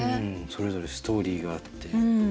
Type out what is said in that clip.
それぞれストーリーがあって。